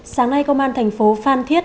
sáng nay công an thành phố phan thiết